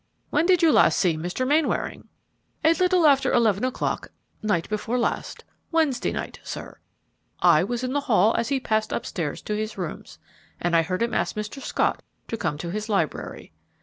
"When did you last see Mr. Mainwaring?" "A little after eleven o'clock night before last, Wednesday night, sir. I was in the hall as he passed upstairs to his rooms, and I heard him ask Mr. Scott to come to his library."